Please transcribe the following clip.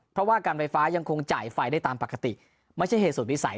เพราะว่าการไฟฟ้ายังคงจ่ายไฟได้ตามปกติไม่ใช่เหตุสูตรวิสัย